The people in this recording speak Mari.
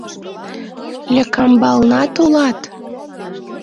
— Лӧкамбалнат улат?